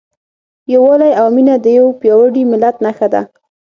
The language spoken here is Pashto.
یووالی او مینه د یو پیاوړي ملت نښه ده.